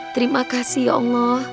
terima kasih ya allah